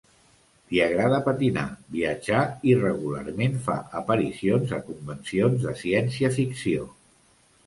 Li agrada patinar, viatjar i regularment fa aparicions a convencions de ciència-ficció.